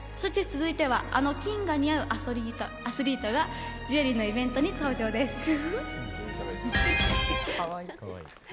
続いてはあの金が似合うアスリートがジュエリーのイベントに登場です。